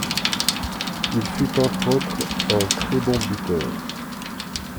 Il fut entre autres un très bon buteur.